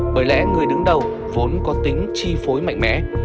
bởi lẽ người đứng đầu vốn có tính chi phối mạnh mẽ